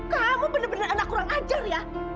kamu benar benar anak kurang ajar ya